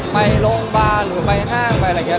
ไปโรงบ้านหรือไปห้างหรือ่านั่นแบบเนี่ย